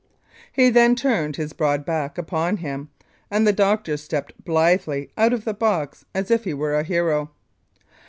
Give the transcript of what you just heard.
'* He then turned his broad back upon him, and the doctor stepped blithely out of the box as if he were a hero.